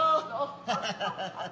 ハハハハハ。